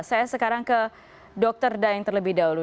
saya sekarang ke dr daeng terlebih dahulu